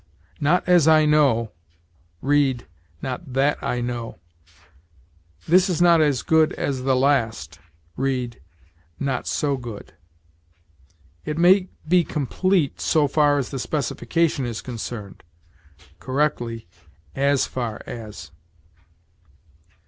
"Not as I know": read, "not that I know." "This is not as good as the last": read, "not so good." "It may be complete so far as the specification is concerned": correctly, "as far as."